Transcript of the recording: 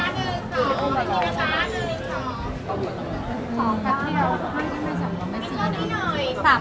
อันนี้มันเป็นอันนที่เกี่ยวกับเมืองที่เราอยู่ในประเทศอเมริกา